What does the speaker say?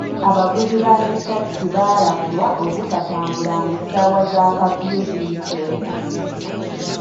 Abavuzi ba zi takisi baalabulwa obutatambula ng'essaawa za kaafiyu ziyiseeko.